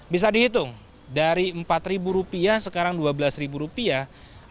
bisa dihitung dari empat ribu rupiah sekarang dua belas rupiah